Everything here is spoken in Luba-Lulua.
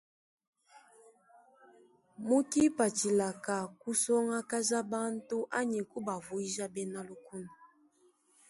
Mu kipatshila ka kusongakaja bantu anyi kubavuija bena lukna.